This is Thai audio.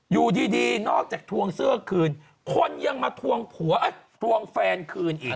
อยู่ดีนอกจากทวงเสื้อคืนคนยังมาทวงผัวทวงแฟนคืนอีก